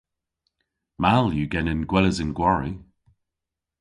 Mall yw genen gweles an gwari.